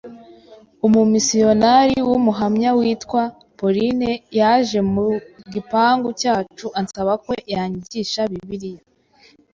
umumisiyonari w Umuhamya witwa Pauline yaje mu gipangu cyacu ansaba ko yanyigisha Bibiliya